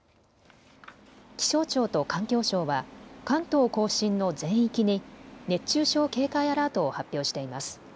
気象庁と環境省は関東甲信の全域に熱中症警戒アラートを発表しています。